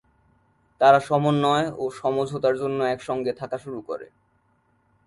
তারা সমন্বয় ও সমঝোতার জন্য একসঙ্গে থাকা শুরু করে।